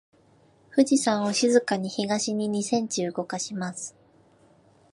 富士山を静かに東に二センチ動かします。